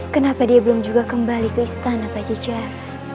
kenapa dia belum juga kembali ke istana pak cica